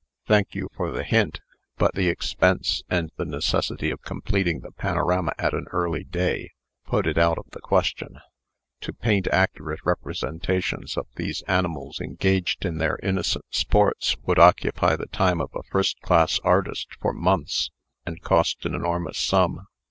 "Thank you for the hint; but the expense, and the necessity of completing the panorama at an early day, put it out of the question. To paint accurate representations of these animals engaged in their innocent sports, would occupy the time of a first class artist for months, and cost an enormous sum."